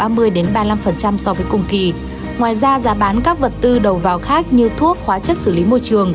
ngoài ra giá bán các vật tư đầu vào khác như thuốc khóa chất xử lý môi trường